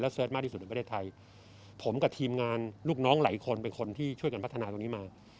เสิร์ชมากที่สุดในประเทศไทยผมกับทีมงานลูกน้องหลายคนเป็นคนที่ช่วยกันพัฒนาตรงนี้มา